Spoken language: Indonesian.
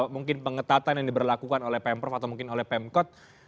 mungkin pengetatan yang diberlakukan oleh pemprov atau mungkin oleh pemkot